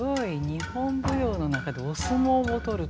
日本舞踊の中でお相撲を取るという。